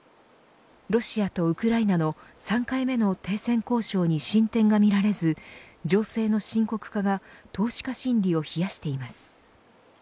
ロシアとウクライナの３回目の停戦交渉に進展が見られず情勢の深刻化が投資家心理を冷やしています。